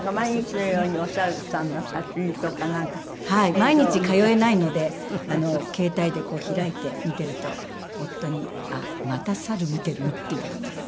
毎日通えないので携帯でこう開いて見ていると夫に「また猿見ているの？」って言われますが。